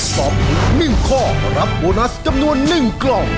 ตอบถูก๑ข้อรับโบนัสจำนวน๑กล่อง